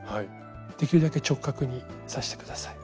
できるだけ直角に刺して下さい。